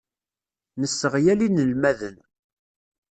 Nesseɣyal inelmaden.